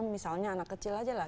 misalnya anak kecil aja lah